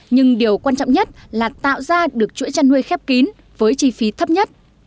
nhưng điều quan trọng nhất là tạo ra được chuỗi chăn nuôi khép kín với chi phí thấp nhất